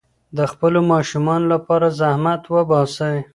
د خپلو ماشومانو لپاره زحمت وباسئ.